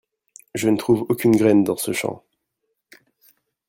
Je ne trouve aucune graine dans ce champ.